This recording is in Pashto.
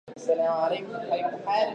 کورنۍ یې د شعر او نندارو سره مینه لرله.